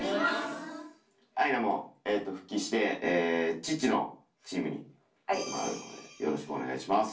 アイナも復帰してチッチのチームに入ってもらうのでよろしくお願いします。